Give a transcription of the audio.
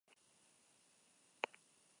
Sindikatuek proposamena aztertuko dute.